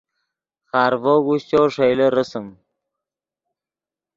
خارڤو اگوشچو ݰئیلے رسم